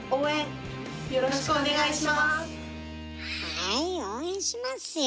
はい応援しますよ。